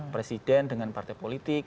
presiden dengan partai politik